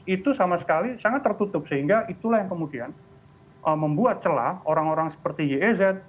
itu sama sekali sangat tertutup sehingga itulah yang kemudian membuat celah orang orang seperti yez